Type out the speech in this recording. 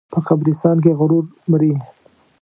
په قبرستان کې غرور مري.